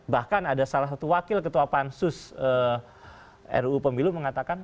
bahkan ada salah satu wakil ketua pansus ruu pemilu mengatakan